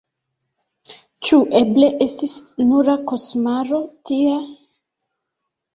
Ĉu eble estis nura koŝmaro tia?